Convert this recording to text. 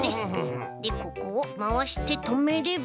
でここをまわしてとめれば。